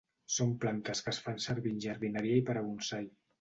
Són plantes que es fan servir en jardineria i per a bonsai.